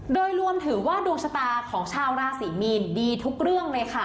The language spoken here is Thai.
โดยรวมถือว่าดวงชะตาของชาวราศรีมีนดีทุกเรื่องเลยค่ะ